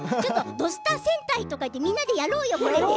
土スタ戦隊とかみんなでやろうよ。